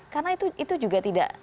karena itu juga tidak